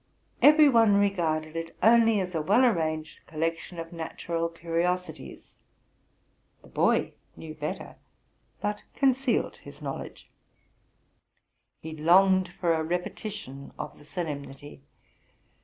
Every one regarded it only as a well arranged collec tion of natural curiosities. The boy knew better, but con cealed his knowledge. He longed for a repetition of the solemnity.